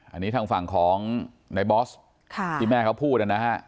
อันนี้ทางฝั่งของในบอสที่แม่เขาพูดนะฮะ